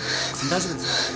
大丈夫ですか？